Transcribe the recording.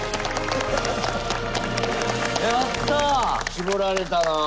絞られたな。